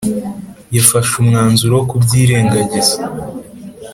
yafashe umwanzuro wo kubyirengagiza